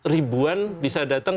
ribuan bisa datang